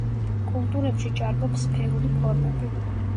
კულტურებში ჭარბობს სფერული ფორმები.